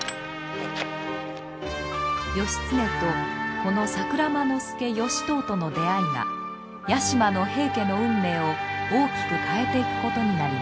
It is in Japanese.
義経とこの桜間ノ介能遠との出会いが屋島の平家の運命を大きく変えていくことになります。